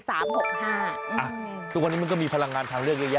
ทุกวันนี้มันก็มีพลังงานทางเลือกเยอะแยะ